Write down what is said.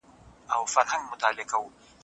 کتاب د زده کوونکي له خوا لوستل کيږي.